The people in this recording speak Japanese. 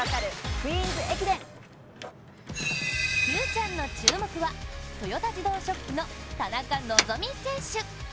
Ｑちゃんの注目は、豊田自動織機の田中希実選手。